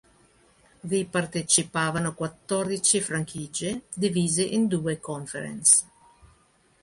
Vi partecipavano quattordici franchigie, divise in due "conference".